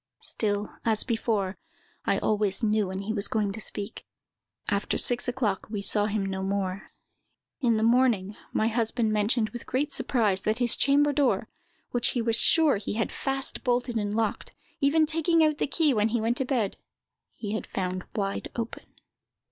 Still, as before, I always knew when he was going to speak. After six o'clock, we saw him no more. In the morning, my husband mentioned, with great surprise, that his chamber door, which he was sure he had fast bolted and locked, even taking out the key when he went to bed, he had found wide open."